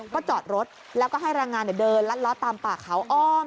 ก็จอดรถแล้วก็ให้แรงงานเดินลัดล้อตามป่าเขาอ้อม